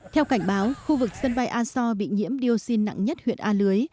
theo cảnh báo khu vực sân bay aso bị nhiễm dioxin nặng nhất huyện a lưới